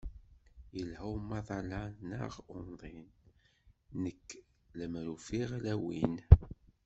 Yelha umaḍal-a-nneɣ umḍin, nekk lemmer ufiɣ ala win.